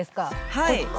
はい。